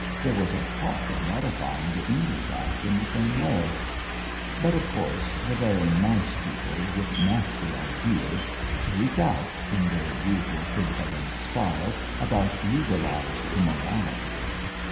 There was a talk of modifying the English Act in the same way; but, of course, the very nice people with nasty ideas shrieked out in their usual pig headed style about legalised immorality.